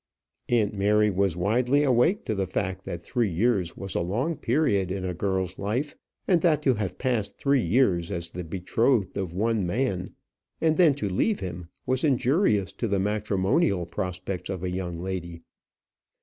Aunt Mary was widely awake to the fact that three years was a long period in a girl's life, and that to have passed three years as the betrothed of one man and then to leave him was injurious to the matrimonial prospects of a young lady.